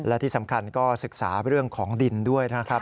และที่สำคัญก็ศึกษาเรื่องของดินด้วยนะครับ